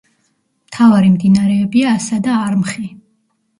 მთავარი მდინარეებია ასა და არმხი.